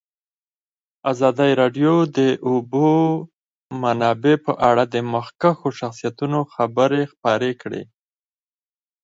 ازادي راډیو د د اوبو منابع په اړه د مخکښو شخصیتونو خبرې خپرې کړي.